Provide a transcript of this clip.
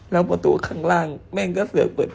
แล้วประตูข้างล่างแม่งก็เสือกเปิด